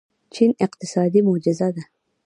چین اقتصادي معجزه ده.